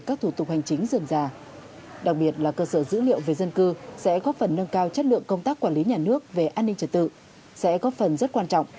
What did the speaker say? chất lượng công tác quản lý nhà nước về an ninh trật tự sẽ có phần rất quan trọng